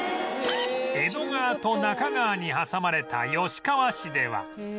江戸川と中川に挟まれた吉川市では